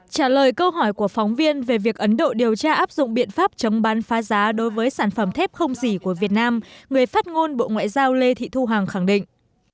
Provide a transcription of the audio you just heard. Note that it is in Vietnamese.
trả lời câu hỏi của phóng viên về việc ấn độ điều tra áp dụng biện pháp chống bán phá giá đối với sản phẩm thép không gì của việt nam người phát ngôn bộ ngoại giao lê thị thu hằng khẳng định